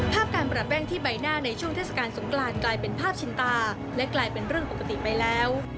ภาพการปรับแป้งที่ใบหน้าในช่วงเทศกาลสงกรานกลายเป็นภาพชินตาและกลายเป็นเรื่องปกติไปแล้ว